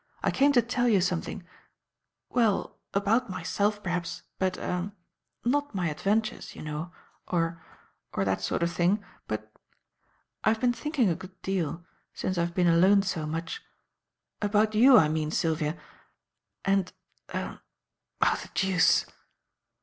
I came to tell you something well, about myself, perhaps, but er not my adventures you know or or that sort of thing but, I have been thinking a good deal, since I have been alone so much about you, I mean, Sylvia and er Oh! the deuce!"